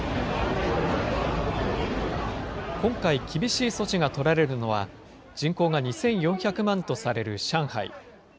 今回、厳しい措置が取られるのは、人口が２４００万とされる上海。